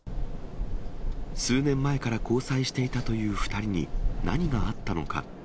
数年前から交際していたという２人に何があったのか。